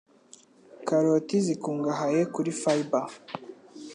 Karoti zikungahaye kuri 'Fiber